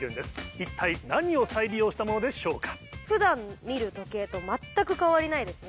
一体何を再利用したものでしょうか？